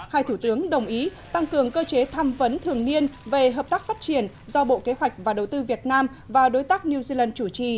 hai thủ tướng đồng ý tăng cường cơ chế tham vấn thường nghiệp